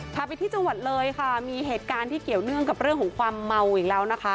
พาไปที่จังหวัดเลยค่ะมีเหตุการณ์ที่เกี่ยวเนื่องกับเรื่องของความเมาอีกแล้วนะคะ